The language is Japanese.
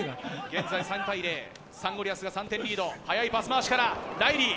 現在３対０、サンゴリアスが３点リード、速いパス回しから、ライリー。